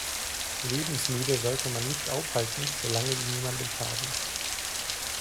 Lebensmüde sollte man nicht aufhalten, solange sie niemandem schaden.